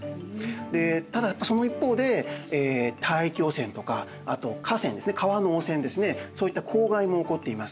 でただやっぱりその一方で大気汚染とかあと河川ですね川の汚染ですねそういった公害も起こっています。